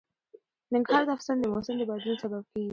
ننګرهار د افغانستان د موسم د بدلون سبب کېږي.